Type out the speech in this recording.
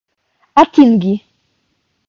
atingi